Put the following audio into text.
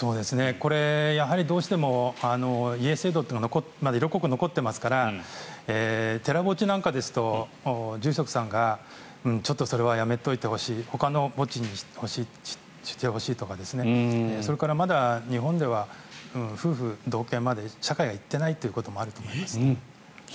これ、どうしても家制度というのが色濃く残っていますから寺墓地なんかですと住職さんがちょっとそれはやめておいてほしいほかの墓地にしてほしいとかそれからまだ日本では夫婦同権まで社会が行っていないと思います。